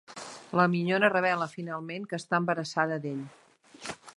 La minyona revela finalment que està embarassada d'ell.